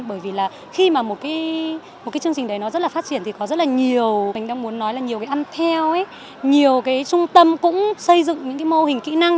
bởi vì là khi mà một cái chương trình đấy nó rất là phát triển thì có rất là nhiều mình đang muốn nói là nhiều cái ăn theo nhiều cái trung tâm cũng xây dựng những cái mô hình kỹ năng